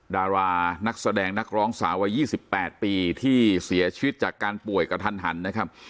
ดารานักแสดงนักร้องสาววัย๒๘ปีที่เสียชีวิตจากการป่วยกระทันหันนะครับ